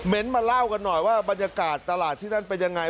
มาเล่ากันหน่อยว่าบรรยากาศตลาดที่นั่นเป็นยังไง